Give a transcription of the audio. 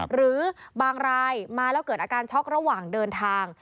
หรือบางรายมาแล้วเกิดอาการช็อกระหว่างเดินทาง